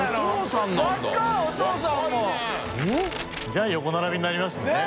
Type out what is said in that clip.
じゃあ横並びになりますね。ねぇ！